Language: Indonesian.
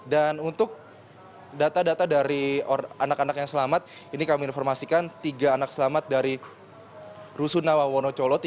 dan untuk data data dari anak anak yang selamat ini kami informasikan tiga anak selamat dari rusunawa wonocolo